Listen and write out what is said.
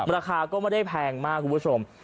ราคาก็ไม่ได้แพงมากคุณผู้ชม